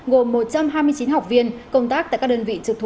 gồm một trăm hai mươi chín học viên công tác tại các đơn vị trực thuộc